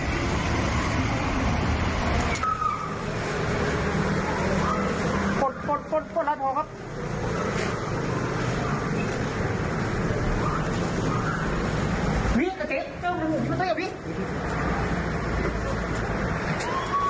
วิ่งกับเจ๊เจ้าลูกไม่ต้องยาววิ่ง